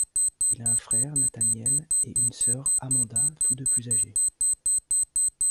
Il a un frère, Nathaniel, et une sœur, Amanda, tous deux plus âgés.